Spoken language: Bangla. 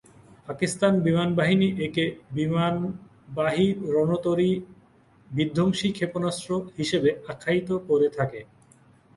পাকিস্তান বিমান বাহিনী একে "বিমানবাহী রণতরী-বিধ্বংসী ক্ষেপণাস্ত্র" হিসেবে আখ্যায়িত করে থাকে।